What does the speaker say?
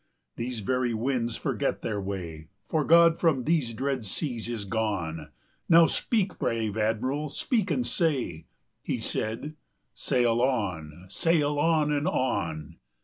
These very winds forget their way, For God from these dread seas is gone. Now speak, brave Admiral, speak and say " He said: "Sail on! sail on! and on!"